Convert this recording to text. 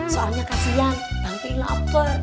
soalnya kasihan bang pih lapar